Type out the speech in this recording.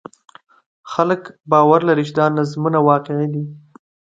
خلک باور لري چې دا نظمونه واقعي دي.